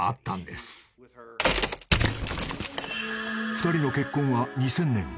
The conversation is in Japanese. ［２人の結婚は２０００年。